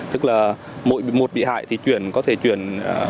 tức là một bị hại thì chuyển có thể chuyển một trăm linh hai trăm linh